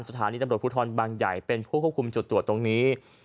สถานีตำรวจภูทรบางใหญ่เป็นผู้ควบคุมจุดตรวจตรงนี้